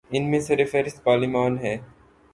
ان میں سر فہرست پارلیمان ہے۔